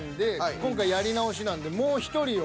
今回やり直しなんでもう１人を。